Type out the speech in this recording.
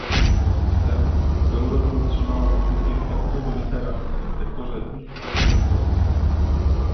Chcę, by Europa utrzymała pozycję światowego lidera w sektorze usług finansowych